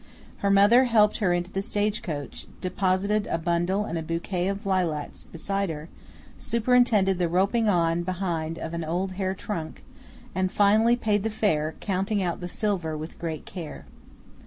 Her mother helped her into the stage coach, deposited a bundle and a bouquet of lilacs beside her, superintended the "roping on" behind of an old hair trunk, and finally paid the fare, counting out the silver with great care.